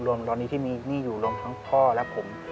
รวมร้อนหนี้ที่เนี่ยอยู่ลงทั้งพ่อและผม